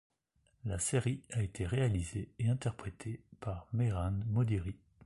La série a été réalisée et interprétée par Mehran Modiri.